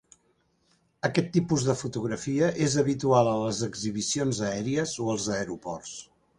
Aquest tipus de fotografia és habitual a les exhibicions aèries o als aeroports.